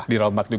di rombak juga